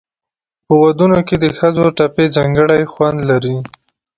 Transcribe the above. په ودونو کې د ښځو ټپې ځانګړی خوند لري.